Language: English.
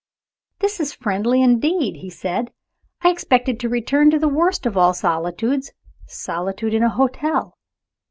"This is friendly indeed!" he said. "I expected to return to the worst of all solitudes solitude in a hotel.